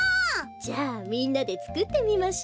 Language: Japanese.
じゃあみんなでつくってみましょ。